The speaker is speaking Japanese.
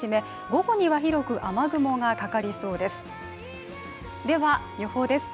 午後には広く雨雲がかかりそうです。